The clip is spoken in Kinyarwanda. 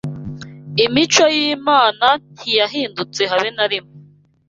Imico y’Imana ntiyahindutse habe na rimwe